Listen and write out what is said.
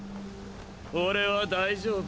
俺は大丈夫。